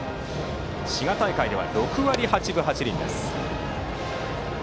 滋賀大会では６割８分８厘です。